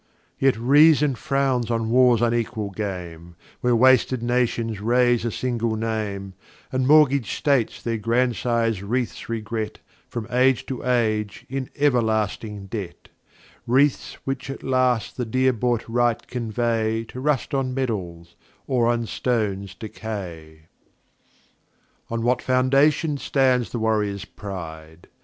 Yet Reason frowns on War's unequal Game, Where wasted Nations raise a single Name, And mortgag'd States their Grandsires Wreaths regret From Age to Age in everlasting Debt; Wreaths which at last the dear bought Right convey To rust on Medals, or on Stones decay. [Footnote h: Ver. 133 146.] On[i] what Foundation stands the Warrior's Pride?